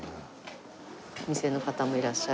店の方もいらっしゃる。